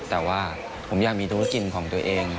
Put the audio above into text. แต่ว่าผมอยากมีธุรกิจของตัวเอง